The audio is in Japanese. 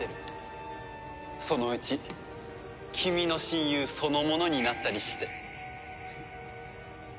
そのうち君の親友そのものになったりして。